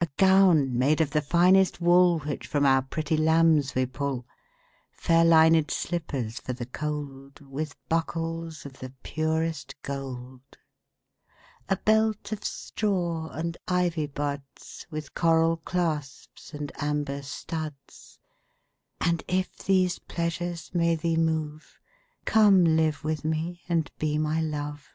A gown made of the finest wool Which from our pretty lambs we pull; Fair linèd slippers for the cold, 15 With buckles of the purest gold. A belt of straw and ivy buds With coral clasps and amber studs: And if these pleasures may thee move, Come live with me and be my Love.